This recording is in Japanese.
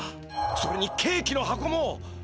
それにケーキの箱も。